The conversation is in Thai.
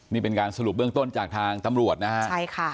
นี่เป็นการสรุปเรื่องต้นจากทางตำรวจนะคะ